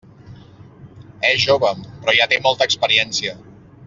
És jove, però ja té molta experiència.